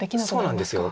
そうなんです。